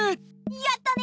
やったね！